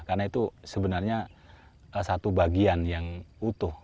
karena itu sebenarnya satu bagian yang utuh